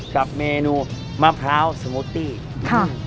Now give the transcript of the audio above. จากเมนูมะพร้าวสมโทย์